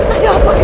ada apa ini